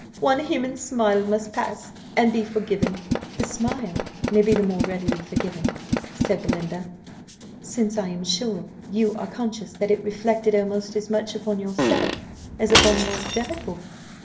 One human smile must pass, and be forgiven." "The smile may be the more readily forgiven," said Belinda, "since I am sure you are conscious that it reflected almost as much upon yourself as upon Lord Delacour."